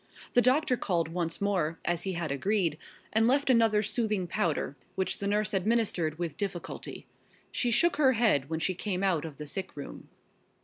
The doctor called once more, as he had agreed, and left another soothing powder, which the nurse administered with difficulty. She shook her head when she came out of the sick room.